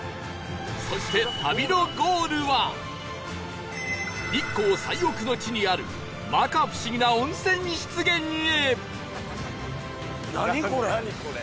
そして日光最奥の地にある摩訶不思議な温泉湿原へ